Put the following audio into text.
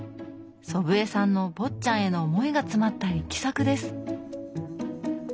祖父江さんの「坊っちゃん」への思いが詰まった力作です。